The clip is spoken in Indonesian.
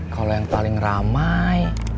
kalau yang paling ramai